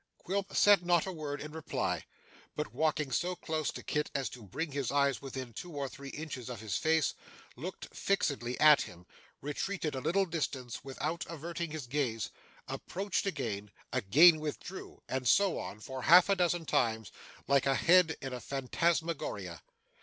Quilp said not a word in reply, but walking so close to Kit as to bring his eyes within two or three inches of his face, looked fixedly at him, retreated a little distance without averting his gaze, approached again, again withdrew, and so on for half a dozen times, like a head in a phantasmagoria.